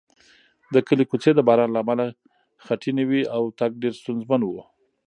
د کلي کوڅې د باران له امله خټینې وې او تګ ډېر ستونزمن و.